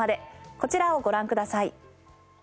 こちらをご覧ください。